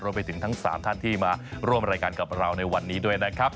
ไปถึงทั้ง๓ท่านที่มาร่วมรายการกับเราในวันนี้ด้วยนะครับ